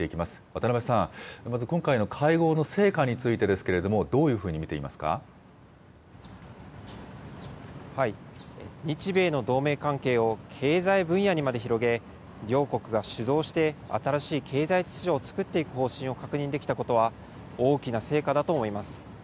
渡邊さん、まず今回の会合の成果についてですけれども、どういうふうに見て日米の同盟関係を経済分野にまで広げ、両国が主導して新しい経済秩序を作っていく方針を確認できたことは、大きな成果だと思います。